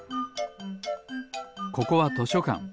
ここはとしょかん。